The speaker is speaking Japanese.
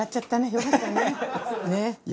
よかったね。